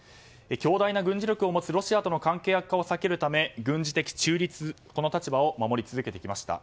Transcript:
強大な軍事力を持つロシアとの関係悪化を避けるため軍事的中立の立場を守り続けてきました。